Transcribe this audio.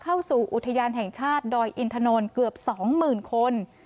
เข้าสู่อุทยานแห่งชาติดอยอินทนนเกือบ๒๐๐๐คน